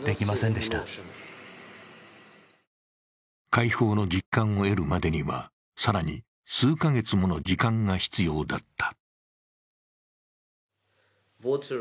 解放の実感を得るまでには更に数か月もの時間が必要だった。